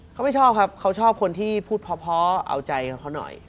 เขาไม่ชอบครับเขาชอบคนที่พูดเพราะเอาใจกับเขาหน่อย